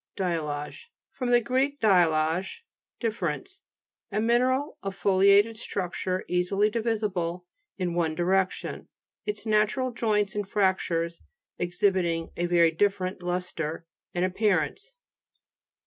DIA'LLAGE fr. gr. diallage, differ ence. A mineral of foliated struc ture easrly divisible in one direction, its natural joints and fractures ex hibiting a very different lustre and appearance.